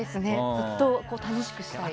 ずっと楽しくしてくれて。